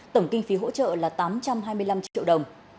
tổng kinh phí hỗ trợ là tám trăm hai mươi năm triệu đồng